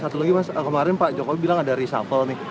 satu lagi mas kemarin pak jokowi bilang ada reshuffle nih